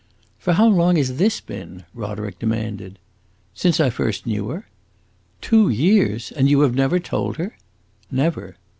"For how long has this been?" Roderick demanded. "Since I first knew her." "Two years! And you have never told her?" "Never."